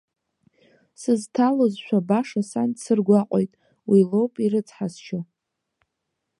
Сызҭалозшәа, баша сан дсыргәаҟит, уи лоуп ирыцҳасшьо.